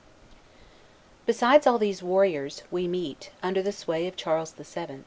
Besides all these warriors, we meet, under the sway of Charles VII.